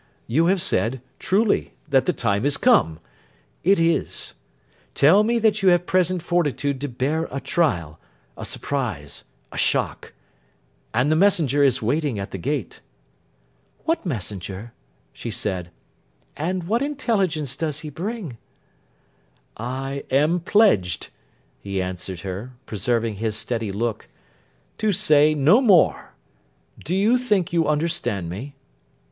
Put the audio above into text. You have said, truly, that the time is come. It is. Tell me that you have present fortitude to bear a trial—a surprise—a shock: and the messenger is waiting at the gate.' 'What messenger?' she said. 'And what intelligence does he bring?' 'I am pledged,' he answered her, preserving his steady look, 'to say no more. Do you think you understand me?